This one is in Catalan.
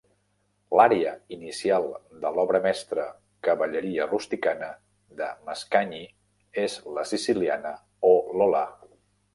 L'ària inicial de l'obra mestra "Cavalleria rusticana" de Mascagni és la siciliana "O Lola".